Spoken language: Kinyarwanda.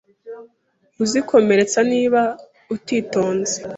Uzikomeretsa niba utitonze